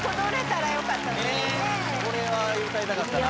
ねえこれは歌いたかったなね